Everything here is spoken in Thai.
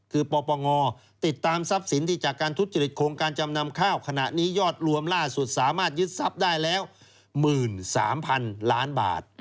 คือปปงติดตามทรัพย์สินที่จากการทุจริตโครงการจำนำข้าวขณะนี้ยอดรวมล่าสุดสามารถยึดทรัพย์ได้แล้ว๑๓๐๐๐ล้านบาท